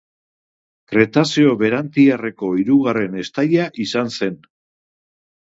Kretazeo Berantiarreko hirugarren estaia izan zen.